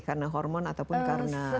karena hormon ataupun karena lingkungan hidup